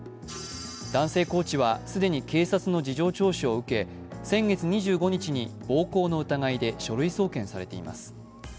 男性コーチは既に警察の事情聴取を受け、先月２５日に書類送検されています。